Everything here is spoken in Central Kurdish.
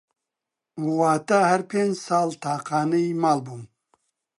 واتا هەر پێنج ساڵ تاقانەی ماڵ بووم